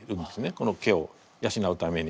この毛を養うために。